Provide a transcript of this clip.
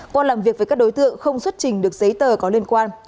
qua làm việc với các đối tượng không xuất trình được giấy tờ có liên quan